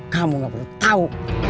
kamu enggak perlu tahu